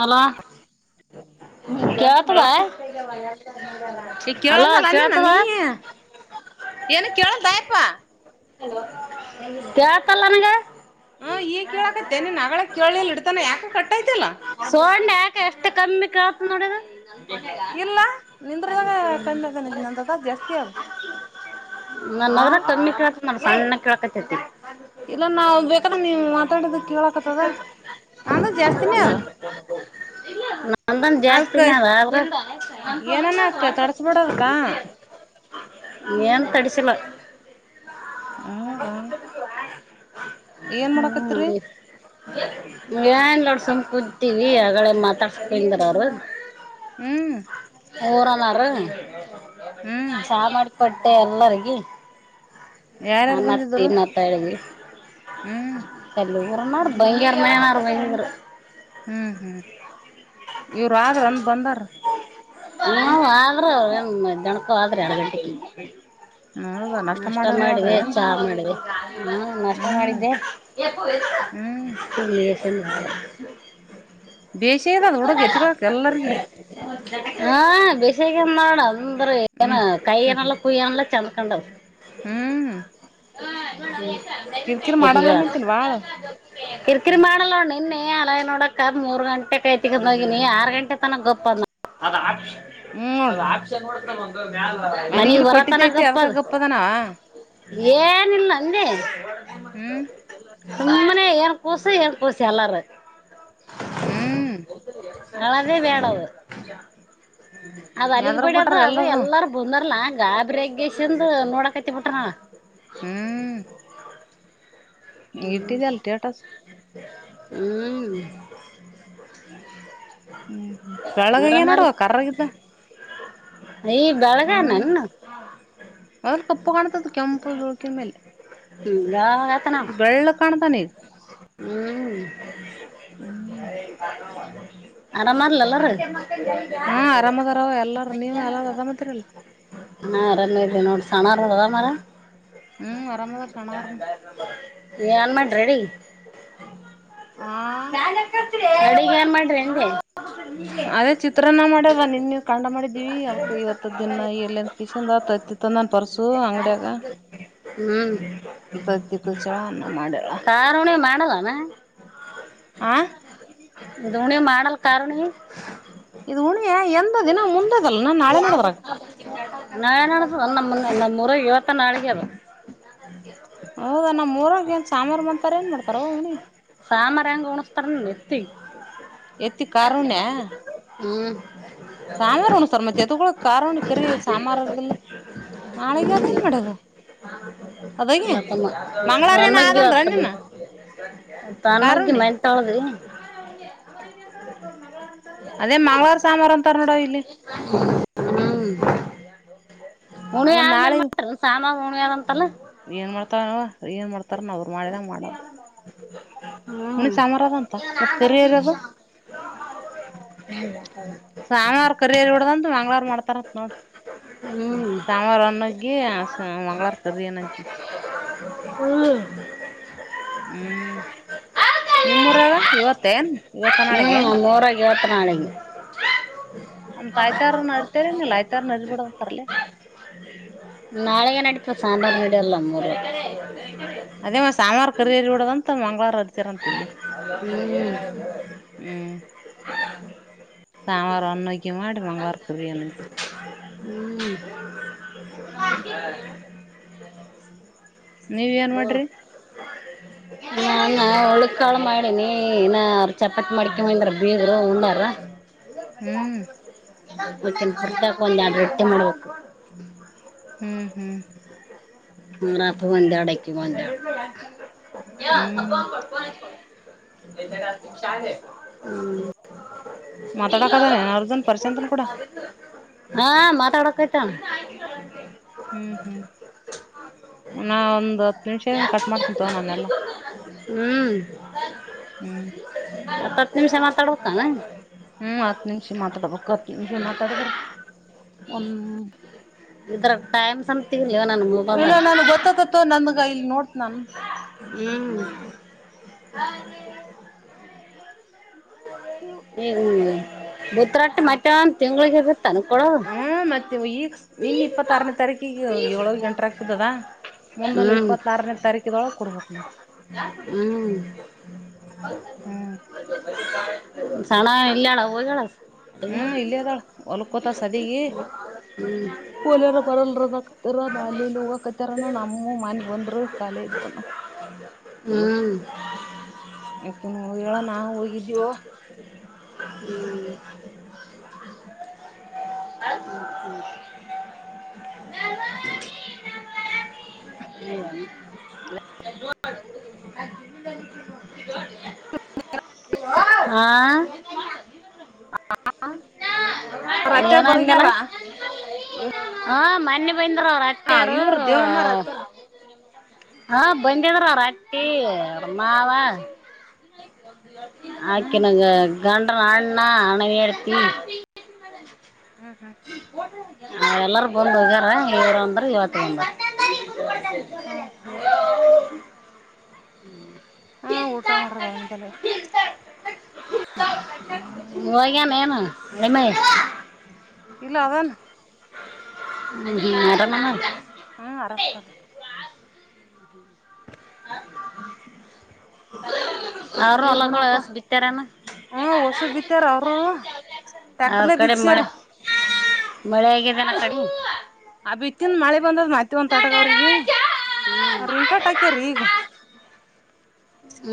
Hello hello ಕತದಾಯ ಈ ಕೇಳದಲ್ಲ ಅನ್ನನ ನೀ ಏನು ಕೇಳಲ್ಯಪ್ಪಾ ಕತಲ್ಲಾನಂಗ ಹ ಈಗ್ ಕೇಳಕತ್ತ ನೀನ್ ನಗಳ ಕೇಳಲ್ ಇಡ್ತಾನ ಯಾಕ ಕಟ್ಟತಿಲ್ಲ ಯಾಕೆ ಎಷ್ಟು ಕಮ್ಮಿ ಕತ್ ನೋಡದು ಇಲ್ಲ ನಿಂದ್ರದಾಗ ಕಮ್ಮಿ ಆಗ ನಂದ್ರದ್ ಜಾಸ್ತಿ ಅಲ್ ನ ಅದ್ರ ಕಮ್ಮಿ ಕೇಳಕ ನ ಸಣ್ಣ ಕಳಕತತಿ ಇಲ್ಲ ನಾವವು ಬೇಕಂದ್ರ ನೀವ್ ಮಾತಾಡಿದ ಕೇಳಕತ್ತದ ನ ಜಾಸ್ತಿನೇ ಅದು ನ ಬಂದ ಅದ್ಕ ಜಾಸ್ತಿನ್ರ ನನ್ ಏನನ ಒಂದು ಅಕ್ಕ ವಾಟ್ಸ್ಆಪ್ ತಡಸ್ಬಿಡದಕ್ಕ ನಂಬರ್ ಏನ್ ತಡಿಸಲ ಹ ಗ ಏನ್ ಮಾಡಕತ್ರಿ ನ್ ನೋಡ್ ಸುಕೂತಿವಿ ಆಗಡೆ ಮಾತಾಡ್ಸದಾರ ಅವರು ಹ್ಮ್ ಊರನಾರ ಹ್ಮ್ ಚಾ ಮಾಡಕಟ್ಟೆ ಎಲ್ಲರಿಗ ಹಾ ಯಾರ್ಯಾರು ಮಾಡತವಿ ಬಂದಿದ್ರು ಮಾತಾಡ್ದಲ್ಲ ಹ್ಮ್ ಬರನರು ಭಯರನೇನಾರ ಭಯಂರ ಹ್ಮ್ ಹ್ಮ್ ಇವರು ಆದ್ರ ಅಂದ ಬಂದಾರ ಹ್ಮ ಆದ್ರ ಅವ ಜಣಕ ಆದ್ರ ಎರಡು ಗಂಟೆ ಹ್ಮದ ನಷ್ಟ [unintelligible] ಹಾ ಮಾಡ ನಷ್ಟ ಹ್ಮ್ ಮಾಡಿದ್ದೆ ಹ್ಮ್ ಬೇಷದ ಅದ್ ಹುಡುಗ ತಿಳಕ ಎಲ್ಲರ್ಗ ಹಾ ಬಷೇಕ ನಡ ಅಂದ್ರೆ ಏನ ಹ್ಮ್ ಹ್ಮ್ ಕೈಯಏನಲ್ಲ ಕುಯ್ಯನಲ್ಲ ಚೆಂದಕೊಂಡ್ ಹ್ಮ್ ಹ ಕಿರ್ಕಿರ್ ಮಾಡಲ್ಲನಂತನ್ ಬಾಳ ಕಿರಿಕಿರಿ ಮಾಡಲ್ಲ ನಿನ್ನೆ ಅಲೈ ನೋಡೋಕ್ಕ ಮೂರು ಗಂಟೆ ಕ ಹೋಗಿನಿ ಆರು ಗಂಟೆ ತನಕ ಗೊಪ್ಪಂದ ಹ್ಮ್ ನೋಡು ಮನಗ್ ಮಲಗಿಲಿ ಬರತನ ಕೊಟ್ಟಿದ್ದೈತಿ ಅದ್ಕ ಗಪ್ಪದ ಗಪ್ಪದನ ಏನಿಲ್ಲ ಅಲ್ಲೇ ಹ್ಮ್ ಸುಮ್ಮನೆ ಏನ್ ಕೂಸಿ ಏನ್ ಕೂಸಿ ಎಲ್ಲಾರ ಹ್ಮ ನಳದೇ ಬೇಡದು ಅದ್ ಅಲ್ಲಿಗ್ ಎದ್ರ ಬಿಟ್ರ ಬಿಡದು ಅದು ಎಲ್ಲರೂ ಎಲ್ಲಾರು ಬಂದರ್ಲಾ ಗಾಬ್ರೇಗ್ಗೆ ಚಂದ ನೋಡಕತಿ ಬಿಟ್ರ ಹ್ಮ್ ಹ್ಮ್ ಇಟ್ಟಿದೆ ಅಲ್ ಸ್ಟೇಟಸ್ ಹ್ಮ್ ಹ್ಮ್ ಬೆಳಗ್ಗಗನೇ ಆರಾಮಲ್ ನಡುವ ಕರ್ರಗಿದ್ದ ಈ ಬೆಳಗ ನ ಹ್ಮ್ ಮೊದಲ್ ಕಪ್ಪು ಕಾಣ್ತದ ಕೆಂಪು ಜುಳಕಿನ ಹ್ಮಲ್ಲಾ ಎತ್ತನ ಬೆಳುಗ್ಗೆ ಕಾಣ್ತಾನ ನೀ ಹ್ಮ್ ಹ್ಮ್ ಆರಾಮಾರಲಲ್ಲಾರೀ ಹಾ ಆರಾಮದಾರವ ಎಲ್ಲಾರ ನೀವು ಎಲ್ಲಾರ ಅರಾಮತಿರಲ್ಲ [unintelligible] ನಾ ಅರೇ ನೋಟ ಸಣ ರಡದ ಮರ ಹ್ಮ್ ಆರಾಮದಾರ ಸಣ್ಣವ್ರನು ಏನ್ ಮಾಡ್ರೆಡಿ ಆ [unintelligible] ಅದೇ ಚಿತ್ರನ್ನ ಮಾಡವ ನಿನ್ ನೀ ಕಂಡ್ ಮಾಡಿದ್ದೀವಿ ಅವಕ್ ಇವತ್ತ ದಿನ ಎಲ್ಲಿ ಕಿಶಂದ ಆ ತತ್ತಿ ತಂದಂದು ಪರ್ಸು ಅಂಗಡಿಯಾಗ ಹ್ಮ್ ತತ್ತಿ ಕೂಚ್ಚಳ ಅನ್ನ ಮಾಡ್ಯಳ ಮಾಡಲ್ಲನು ಇದು ಹುಣಿ ಮಾಡಲ್ ಕಾರುಣಿ ಇದು ಉಂಮಿಯೀ ಎಂದ ದಿನ ಮುಂದೆದಲ್ಲ ನಾನ್ ನಾಳೆ ನಡದ್ರಾಗ ನಾ ಏನ್ ಅಸುದು ನಮ್ಮ ನಮ್ಮ್ರ ಇವತ್ತ ನಾಳಿಗೆ ಅದು ಹೌದಾ ನಮ್ಮ್ ಊರಾಗ ಏನ್ ಸಾಂಬಾರು ಮಾಡತಾರ ಏನ್ ಮಾಡ್ತಾರ ಅವನಿ ಕಾಣಸ್ತಾರೆ ಎತ್ತ ಎತ್ತಿ ಹ್ಮ [unintelligible] ಸಾಮಾರು ಉಣ ಸರ್ ಮತ್ತೆ ಎದು ಕಾರಾರ್ಣ ಕರಿ ಸಾಮಾರಲ್ಲ ನಾಳಗೆ ಅದ ಏನ್ ಮಾಡೋದು ಅದಾಗೆ ಹ್ಮ್ ಇವತ್ತಮ್ಮ ಮಂಗ್ಳವಾರ ಏನ ಆದ ನಿನ್ ತನ್ನಗಿ ಮೆ ತಾಳದ ಅದೇ ಮಂಗ್ವಾರ ಸಾಂಬಾರು ಅಂತಾರ ನೋಡವ ಇಲ್ಲಿ ಹ್ಮ್ ಉಣ್ಣಿಮೆ ಆಮೇಲೆ ಆದ್ಮೇಲ್ ನಾಳೆ ಮಾಡ್ತಾರ ಸಾಮಾನು ಉಣ್ಣಿಮೆ ಏನ್ ಮಾಡ್ತಾರ ಏನ್ ಮಾಡ್ತಾರ ನ ಅವ್ರು ಮಾಡಿದಂಗ ಮಾಡ ಮನ ಹ್ಮ್ ಸಾಮರದ ಅಂತ ಮತ್ತ ಕರಿಿಯರ್ ಅದು ಸಾಂಗ್ಾರ ಕರಿಯರಿಡ್ದಂತ ಮಂಗ್ಳವಾರ ಮಾಡ್ತಾರತ್ ನೋಡ ಹ್ಮ್ ಸಾಮವಾರ ಒನ್ನಗಿ ಮಂಗಳವಾರ ಕರ ಅನಗ್ಗಿ ಹೌದು ಹ್ಮ್ ನಿಮ್ಮೂರಾಗ ಇವತ್ತೇನ್ ಇವತ್ತ ಹ್ಮ ನಾಳೆಗೇನ್ ನಮ್ಮೂರಗೆ ಇವತ್ತ ನಳಗೆ ಅ ತ ಆಾಯ್ತಾರ್ನ ಅರಿತಾರನಿಲ್ಲ ಆಯ್ತಾರ್ನ ಅರಿಬಿಡಂತರ್ಲ ನಾಳೆಗ ನಡತ ಸಾಂದ್ರ ನಡಲ್ಲ ನಮ್ಮೊರ್ಗೆ ಸಾಮಾರು ಕರಿರಿ ಬಿಡೋದಂತ ಮಂಗಳವಾರ ಹರಿತಾರ ಅಂತ ಇಲ್ಲಿ ಹ್ಮ್ ಹ್ಮ್ ಸೋಮವಾರ ಒಂದು ಉಗ್ಗಿ ಮಾಡಿ ಮಂಗ್ಳವಾರ ಕರಿಯಣ್ಣತೆ ಹ್ಮ್ ನೀವ ಏನ್ ಮಾಡ್ರಿ ನ ಉಳ್ಳಿಕಾಳ ಮಾಡಿನಿ ಇನ್ನ ಚಪಾತಿ ಮಾಡ್ಕ ಮುಂದ್ರ ಬೀಗರು ಉಂಡರ ಹ್ಮ್ ಮತ್ತೆ ಹೊರ್ತಕ ಒಂದ ಯಡ್ ರೊಟ್ಟಿ ಮಾಡ್ಬೇಕು ಹು ಹು ನಪ್ಪಗೊಂದ್ಯಾಡು ಅಕಿಗೊಂದ್ಯಾಡು ಒಂದು ಇದರ್ವಾಳಗ ಹಾಕಿ ಮುಚ್ಚ ಟಕ್ ಯ್ಯಾ ಹ್ಮ್ ಹಬ್ಬಾ ಪಡಕೋ ಇಡಕೋ ಇದೇನ ಚಾ ಹೇ ಹು ಮಾತಾಡಕದಾನೇನ್ ಆಹುಡುಗನ್ ಪ್ರಶಾಂತ ಕೂಡ ಹ ಮಾತಾಡಕತ್ತಾನ ಹು ಹು ನಾ ಒಂದು ಯಾರ ಕೊಟ್ಟಿಗತಿಲ್ಲ ಲಿಂಗಸೂರನವರಾ ಹು ತಾ ಇಲ್ಲಿ ಹ್ಮ್ ಹತ್ತ ಹತ್ತ ನಿಮಿಷ ಮಾತಾಡ್ಬೇಕನ. ಹ್ಮ್ ಹತ್ತು ನಿಮಿಷ ಮಾತಾಡ್ಬೇಕು ಹತ್ ನಿಮಿಷ ಮಾತಾಡಿದ್ರ ಒಂದ ಇತರಾ ಟೈಮ್ ಸಂತಿಂಗ್ ಇಲ್ಲಲ್ಲ ನನ್ ಗೊತ್ತಕ್ಕೆತಿ ತೋ ನನಗ ಇಲ್ಲಿ ನೋಡ್ತನ ಟಕ್ ಟಕ್ ಹೂಊ ಹ ಅತ್ತೆಗೆರಿ ಹುಯ್ ಯ್ ಎಹು ಬಿಟ್ರಟ್ ಮಟನ್ ತಿಂಗಳಿಗೆ ಇರುತ್ತಾನ ಕೊಡೋದು ಹು ಮತ್ತ ಇವ ಈಗ ನಿನ್ನೆ ಇಪ್ಪತ್ತ ಆರನೇ ತಾರೀಕಿಗೆ ಏಳ ಎಂಟರಾಗ ಬಿದ್ದದಾ. ಮುಂದಲು ಹ್ಮ್ ಇಪ್ಪತ್ತಾರನೇ ತಾರೀಕಿದೊಳಗ ಕೊಡಬೇಕು ನಾ ಟಕ್ ಬಂದೇತಿನ ಹ್ಮ್ ಬಂದ್ ಬಂದೇತಾಳ ಸಹನಾ ಇಲ್ಲೆಲಾಳ ಹೋಗ್ಯಾಳ ಹ್ಮ್ ಮೊಟ್ಟೆ ಇಲ್ಲೇ ಅದಾಳ ತಿಂದಿಲ್ಲ ಹೊಲ್ಕೋತ ತಿಂದಿ ಅತ್ತಿ ಹು ಕೂಲೆರ ಬರಲಡ್ರಣಾಕತ್ತಾರ ನಾ ಅಲ್ಲಿಲ್ಲಿ ಹೋಗಕತ್ತಾರನ ನಮ್ಮ ಮನೆಗ್ ಬಂದ್ರ ಕಾಲಿ ಇದ್ರನ ಟಕ್ ಟಕ್ ಹು ಜ್ಜಜ್ಜ ಅಕಿನೂ ಹೋಗ್ಯಾಳ ನಾವು ಹೊಗೆವ್ ಹರ ಮಹಾದೇವ ಹರ ಮಹಾದೇವ ಹು ದೇವಾ ಟಕ್ ಹೊಯ್ ಹೆಈಈಈ ಆ ಜ್ಯ ತಿಂಗಳ ನೀರು ಯಾಕ ಟಕ್ ಅಲ್ಲಿ ಹೋಗಬ್ಯಾಡ ಅಲ್ಲಿ ತಿಗಿದಡಿತಿ ನೋಡು ಇಗ ವ್ವಾವ ಆ ಟೆಂಗಣ್ಣ ಅವ್ರ ಅಣ್ಣಾ ಅತ್ತೆರ್ ಹಣ್ಣಗೋ ನೆನಪಮ್ಮಿ ಏನೋ ಅಂದಲ್ಲ ಬರ್ಗ್ಯಾರ ಹ ಉಪೆಂದ್ರಾ ಅವರ ಹಾ ಅತ್ತೆರು ಇವ್ರ ದೇವಮ್ಮ ಅವ್ರ ಆಅ ಅತ್ತೆರ್ ಹಾ ಬಂದಿದ್ರ ಅತ್ತಿ ಅವರ ಮಾವಾ ಹ್ಮ್ ಅಕಿನ ಗ ಗಂಡನ ಅಣ್ಣಾ ಅಣ್ಣನ್ ಹೆಂಡತಿ ಹ್ಮ್ ಹ್ಮ್ ಹೊಟ್ ಹ ಎಲ್ಲಾರ ಬಂದು ಹಗ್ಯಾರ ಇವರು ಅಂದ್ರ ಅಪ್ಪ ಅಲ್ಲಿ ಬರ್ತಾನ ರಿ ಇವತ್ತು ಬಂದ ತೊಗಡೆನ್ ತಗಡೆನ್ ಹೂಊಒ ಹೈ ಹಾ ಊಟ ಮಾಡ್ಯಾರ ಬಾಳ್ ಅಂತಲೇ ಗುದ್ಯಾವ ಕನ್ನಡಕ ಹೋಗ್ಯಾನೇನ ಎಮ್ಮಾಚ್ ಎಳ ಇಲ್ಲಾ ಅದಾನ ಜ್ಜಜ್ಜಜ್ಜ ಇಗ ಬಿಡ ಅರಾಮ್ ಅದಾನ್ ಹಾ ಆರಾಮದ ಆರೋರೋ ಬೊಡ್ಡಡ್ಡ ಅವರು ಹೊಲಗಳು ಒಸು ಬಿತ್ತಾರೇನು ಹು ಹೊಸು ಬಿತ್ತಾರ ಅವರು ಅವ್ರ ಟ್ಯಾಕ್ಟರ್ಲೆ ಕಡೆ ಬಿಸ್ತಾರ ಮಳೆ ಮಳೆ ಆಗಿದೆ ಏನು ಕಡೆ ಔವ್ವಾ ಇಗ ಬಂದದ್ ಹತ್ತಿವಲ ಒಂತ ತ ಆಟಕ ಅವ್ರಿಗೆ ಅವ್ರ ಇನ್ಕಟಾಕ್ಯಾರೀ ಈಗ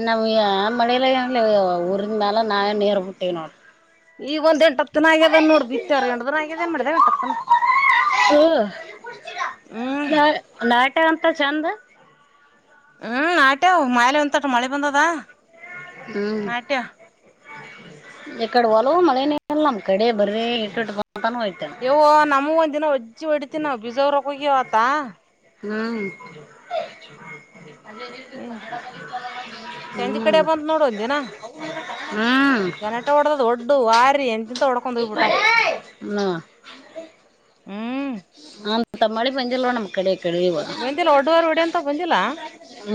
ನಮಗೆ ಮಳಿಲ್ಲ ಏನಿಲ್ಲಾಯವ್ವ ಊರ್ ಮೇಾಲ ನಾ ನೀರು ಬಿಟ್ಟೇವಿ ನೋಡ ಈಗ ಒಂದ್ ಎಂಟ ಹತ್ತು ದಿನ ಆಗ್ಯದ ನೋಡ ಬಿತ್ತ್ಯಾರ ಎಂಟ ದನ ಆಗ್ಯದ ನ್ ಮಾಡಿದ ಎಂಟತ್ತನ ಪ ನೀರ್ ಕುಡಿತೀರಾ ಹ್ಮ್ ನಾ ನಾಟ ಅಂತ ಚಂದ ಹು ಆಟ್ಯವ ಮಾಲೆ ಒಂತಟ ಮಳೆ ಬಂದದ ಹು ನಾಟ್ಯ ಎಕಡೆ ಒಲವು ಮಳೆನೇ ಎಲ್ಲ ನಮ್ಮ ಕಡೆ ಬರೆ ಇಟಟ ಅದಾವ ಯವೋ ನಮವು ಒಂದ ದಿನ ಹಜ್ಜಿ ಹೊಡಿತ ನಾವ ಬಿಜಾ ಹೋರಕ್ಕೋಗವತ ಹು ಹ್ಹ ಹ್ಮ್ [unintelligible] ಹ್ಮ್ ಗನಟ ಒಡದದ ದೊಡ್ಡ ವಾರಿ ಎಂತ ಒಡ್ಕ ನ ಹ್ಮ ಅಂತ ತಮ್ಮಾಲಿ ಪಂಜ ರ ನಮ್ ಕ ಳ ಬಂದಿಲ್ಲ ಒಡ್ಡುವಾರಿ ಹೊಡಿ ಅಂತ ಬಂದಿಲ್ಲ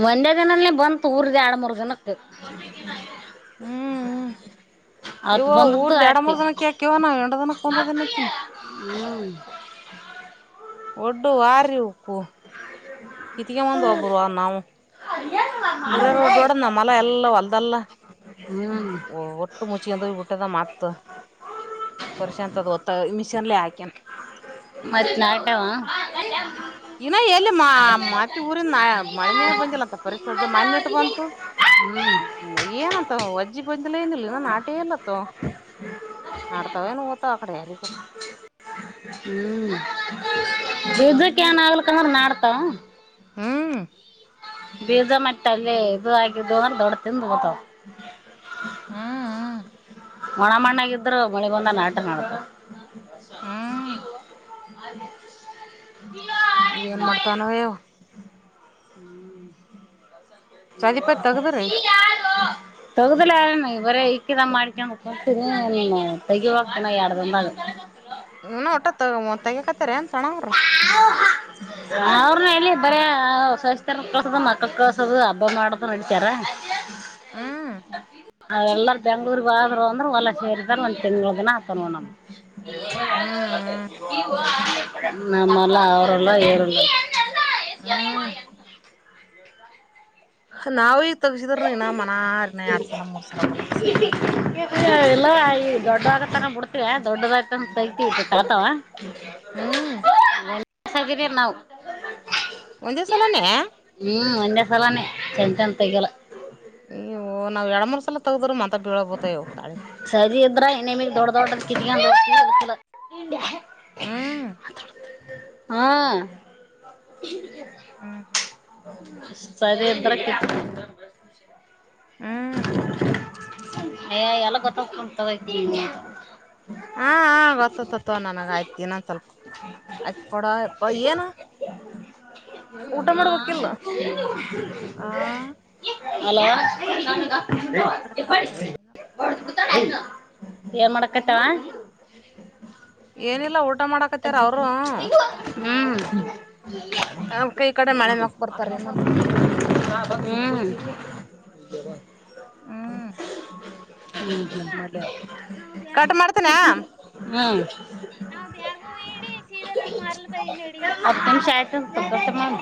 ಮಂಡೇ ದಿನಲ್ಲ ಬಂತು ಊರಿದೆ ಎರಡು ಮೂರು ದಿನ ಹತ್ತು ಹ್ಮ್ ಹ್ಮ ಇವ ಅವತ್ ಬಂದದ್ದು ಊರ್ದ್ ಎರಡು ಆಯ್ತಿ ಮೂರ್ ಜನಕ್ಕೆ ಯಾಕವ ನಾವು ಎಂಡ ದನಕ್ಕೆ ಒಂದದ ಆನ್ತೀನಿ. ಹ್ಮ್ ಒಟ್ಟು ವಾರಿ ಉಕ್ಕು ಇತಿಗೆ ಒಂದ್ ಒಬ್ಬರ ನಾವು ಪೋರ ರೋಡ ನಮ್ಮಹೊಲಾ ಎಲ್ಲ ಹೊಲ್ದಲ್ಲ. ಹ್ಮ್ ಓ ಒಟ್ಟ ಮೂಚಿಗೆಂತೋಗ್ ಬಿಟ್ಟದ ಮಾತ್ ಪರ್ಷೆ ಅಂತದ್ ಹೊತ್ತ ಮಿಷನ್ಲಿ ಹಾಕ್ಯನ್ ಹನಾಟವಾ ಇನ್ನ ಎಲ್ಲಿ ಮಾ ಮತ್ತೆ ಊರಿಂದ ಮಳನೇ ಬಂದಿಲ್ಲ ಅಂತ ಪರಿಸರದ ಮಣ ಇಟ್ಟು ಬಂತು. ಏನಂತ ವಜ್ಜಿ ಬಂದಲ ಏನಿಲ್ಲ ನನ್ ಆಟೆ ಎಲ್ಲತ್ತ ನಡ್ತಾವೇನು ಗತ್ತ ಆ ಕಡೆ ಹಾರಕೊತ್ತ ಹ್ಮ್ ಯಜಕ್ಕೆ ಏನ್ ಆಗ್ಲಕಂದ್ರ ನಾಡ್ತಾವ ಹಾ ಬೀಜ ಮಟ್ಟಲ್ಲಿ ಇದು ಆಗಿದ್ದು ಅಂದ್ರೆ ದೊಡ್ಡ ತಿಂದ ಹೋತವ. ಹ್ಮ್ [unintelligible] ಮಣ ಮಣ್ಣಗಿದ್ರು ಮಣಿ ಬಂದ ನ ಆಟ ನಡ್ತ ಹ್ಮ್ ಹ ಏನ್ ಮಾಡ್ತಾನೇ ಹ್ಮ್ ಸಧಿಪತ್ ತಗದ್ರೀ ತೊಗುದಲ ಯಾರ ಇವರ ಇಕಿದಾ ಮಾಡಡಿಕ ನೀ ತೆಗಿವಾ ಯಡಂದ ಹ ಒಟ್ಟತ್ ಮ ತಗ ಕತ್ತಾರ ಅವ್ರನು ಎಲ್ಲಿ? ಬರ ಹೊಸಸ್ತರ್ ಕಳ್ಸದು ಮಕ್ಳ ಕಳ್ಸೋದು ಹಬ್ಬ ಮಾಡದು ನಡಿತಾರ. ಹ್ಮ್ [unintelligible] ಎಲ್ಲರ ಬೆಂಗ್ಳೂರ್ಗ ಆದ್ರು ಅಂದ್ರ ಹೊಲ ಸೇರಿದಾರ ಒಂದ್ ತಿಂಗಗಳ ದಿನ ಆತನವ ನಮ ಹ್ಮ್ ನಮ್ಮಲ್ಲಾ ಅವರಲ್ಲ ಏರಲ್ಲ ಹ್ಮ್ ನಾವವು ಈಗ ತಗಸಿದ್ರ ನೀನ ಮನನ ಎರಡ್ ಸಲ ಮೂರ್ ಸಲ ಬರ್ತತ. ಅಲ್ಲ ಈಗ ದೊಡ್ಡ ಆಗ ತಗಕ ಬಿಡ್ತೀವ ದೊಡ್ಡದಾಗತ ತೈತಿ ತಾತಾವ. ಹ್ಮ್ ಸಾಗಿ ನಾವು ಒಂದ ಸಲನೆ ಒಂದೆ ಸಲಾನೇ ಚಂತ ತಗಲ್ಲ. ಓ ನವು ಎರಡು ಮೂರ್ ಸಲ ತಗದ್ರರು ಮ ಬೀಳೋಬತೇವ ತಿ ಸಜಿ ಅ್ದ್ರಾ ಇನಿಮ ದಡ್ಡ ದಡಕಿ ದಡ್ಡತ ಹ್ಮ್ ಚ ಹಾ ಹೂ ಸರಿ ಎತ್ತರ ಕ್ಕಿಂತ ಹ್ಮ್ ಅಯ್ಯಾ ಎಲ್ಲ ಗೊತ್ತಾಗುತ್ತೆ ಕೂತಾಗಾಂವ ಹೇ ಹಾ ಹ ಗೊತ್ತತ್ತತ್ತುೋ ನನಗೆ ಆಯತ್ತು ಇನ್ನೊಂದು ಸ್ವಲ್ಪ ಅಚ್ ಕೊಡ ಅಪ್ಪ ಏನು? ಊಟ ಹ ಮಾಡ್ಬೇಕಿಲ್ಲ ಆ ಹಲೋ ನಂಗ ಕಡೆ ಇಪ್ಪಡಿ ತರಕತ್ತ ಏನ್ ಮಾಡಕತ್ಯಾವ್ವ ಏನಿಲ್ಲ ಊಟ ಮಾಡಾಕತ್ತಾರ ಅವರು ಹುಂ ಕೈ ಕಡೆ ಹೂಂ ಮಳೆ ಮಕ್ ಬರ್ತಾರ ಏನಂತ ನೀವ ಜ್ವರ ಕಟ್ ಮಾಡ್ತನ ನಾವ್ ಯಾರಗೂ ಹತ್ತಂ ಶಯತ ತಟಾಥಂ